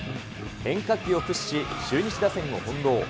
変化球を駆使し、中日打線をほんろう。